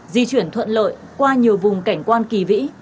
di chuyển thuận lợi qua nhiều vùng cảnh quan kỳ vĩ